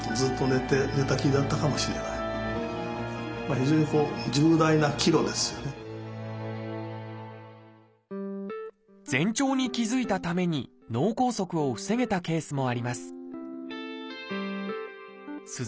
非常にこう前兆に気付いたために脳梗塞を防げたケースもあります